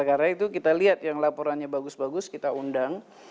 karena itu kita lihat yang laporannya bagus bagus kita undang